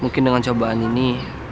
mungkin dengan cobaan ini